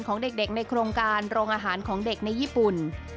ของเด็กในโครงการโรงอาหารของเด็กในญี่ปุ่น